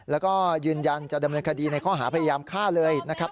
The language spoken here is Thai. แล้วก็ยืนยันจะดำเนินคดีในข้อหาพยายามฆ่าเลยนะครับ